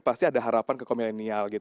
pasti ada harapan kekomilenial